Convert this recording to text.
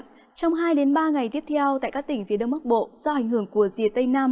trong hai ba ngày tiếp theo tại các tỉnh phía đông bắc bộ do ảnh hưởng của rìa tây nam